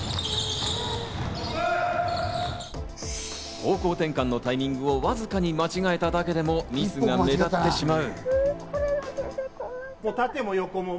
方向転換のタイミングをわずかに間違えただけでもミスが目立ってしまう。